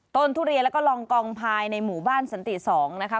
ทุเรียนแล้วก็ลองกองภายในหมู่บ้านสันติ๒นะคะ